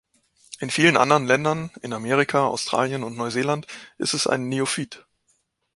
In vielen anderen Ländern, in Amerika, Australien und Neuseeland ist es ein Neophyt.